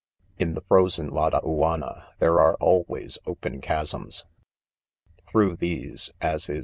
c In the frozen Ladauanna, there are always ,open chasms. Through these, as is